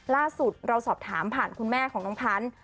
ล่าสุดเราสอบถามผ่านคุณแม่ของน้องพันธุ์